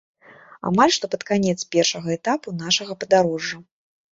Амаль што пад канец першага этапу нашага падарожжа.